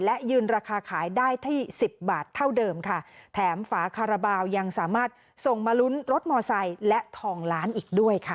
และยืนราคาขายได้ที่สิบบาทเท่าเดิมค่ะแถมฝาคาราบาลยังสามารถส่งมาลุ้นรถมอไซค์และทองล้านอีกด้วยค่ะ